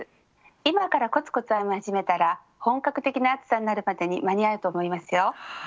今からコツコツ編み始めたら本格的な暑さになるまでに間に合うと思いますよ。